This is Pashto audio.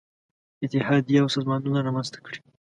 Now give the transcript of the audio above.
اتحادیې او سازمانونه رامنځته کړي.